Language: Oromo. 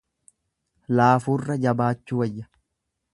Laafuurra jabaachuu wayya.